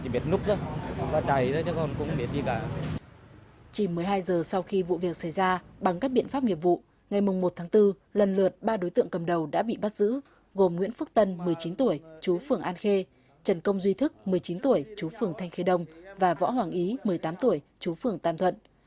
chỉ một mươi hai giờ sau khi vụ việc xảy ra bằng các biện pháp nghiệp vụ ngày một tháng bốn lần lượt ba đối tượng cầm đầu đã bị bắt giữ gồm nguyễn phước tân một mươi chín tuổi chú phường an khê trần công duy thức một mươi chín tuổi chú phường thanh khê đông và võ hoàng ý một mươi tám tuổi chú phường tam thuận